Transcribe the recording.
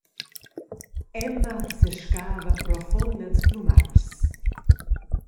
Emma sescava profund els plumatschs.